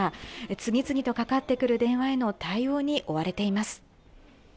次々とかかってくる電話への対応に追われています。